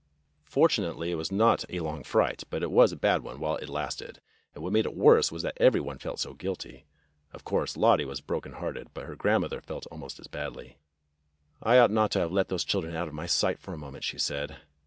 Fortunately it was not a long fright, but it was a bad one while it lasted, and what made it worse was that every one felt so guilty. Of course, Lottie was broken hearted, but her grandmother felt almost as badly. "I ought not to have let those children out of my sight for a moment," she said.